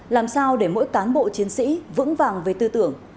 làm sao để mỗi cán bộ chiến sĩ vững vàng về tư tưởng